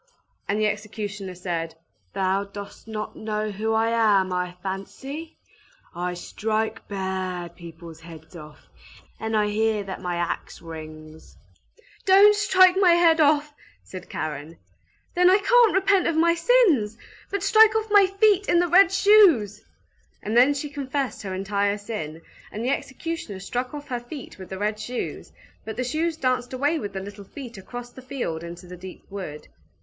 And the executioner said, "Thou dost not know who I am, I fancy? I strike bad people's heads off; and I hear that my axe rings!" "Don't strike my head off!" said Karen. "Then I can't repent of my sins! But strike off my feet in the red shoes!" And then she confessed her entire sin, and the executioner struck off her feet with the red shoes, but the shoes danced away with the little feet across the field into the deep wood.